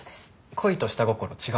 恋と下心違うの？